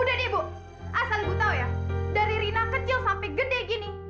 udah deh bu asal ibu tahu ya dari rina kecil sampai gede gini